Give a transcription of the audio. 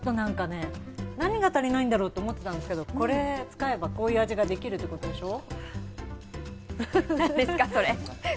何が足りないんだろうって思ってたんですけど、これを使えばこういう味ができるってことでしょう？